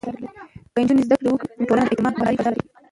که نجونې زده کړه وکړي، نو ټولنه د اعتماد او همکارۍ فضا لري.